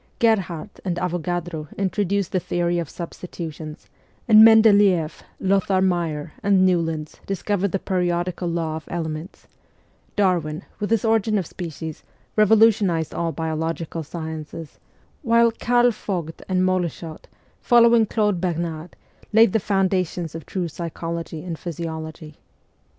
Gerhardt and Avogadro introduced the theory of substitutions, and Mendeleeff, Lothar Meyer, and Newlands discovered the periodical law of elements ; Darwin, with his ' Origin of Species,' revolutionised all biological sciences ; while Karl Vogt and Moleschott, following Claude Bernard, laid the foundations of true psychology in physiology.